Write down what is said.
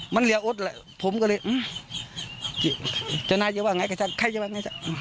มันเหลืออดแหละผมก็เลยเจ้านายจะว่าไงก็จะใครจะว่าไง